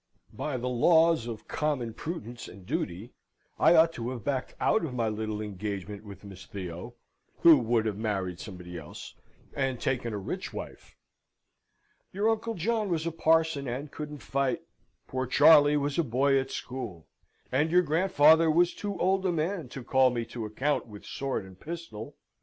By the laws of common prudence and duty, I ought to have backed out of my little engagement with Miss Theo (who would have married somebody else), and taken a rich wife. Your Uncle John was a parson and couldn't fight, poor Charley was a boy at school, and your grandfather was too old a man to call me to account with sword and pistol.